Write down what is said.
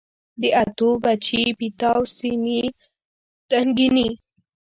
د اتو، بچي، پیتاو سیمي رنګیني